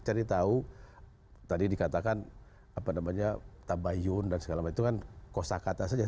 jadi tahu tadi dikatakan apa namanya tabayun dan segala macam itu kan kosakata saja